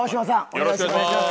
よろしくお願いします。